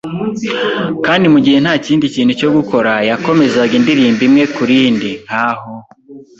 kandi mugihe ntakindi kintu cyo gukora, yakomezaga indirimbo imwe kurindi, nkaho